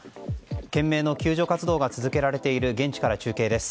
懸命の救助活動が続けられている現地から中継です。